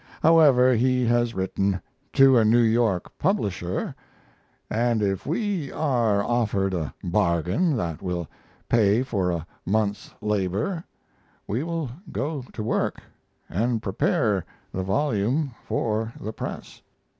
However, he has written to a New York publisher, and if we are offered a bargain that will pay for a month's labor we will go to work and prepare the volume for the press.